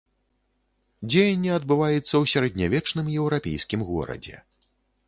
Дзеянне адбываецца ў сярэднявечным еўрапейскім горадзе.